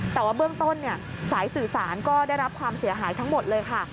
แต่ว่าเบื้องต้นสายสื่อสารก็ได้รับความเสียหายทั้งหมดเลยค่ะ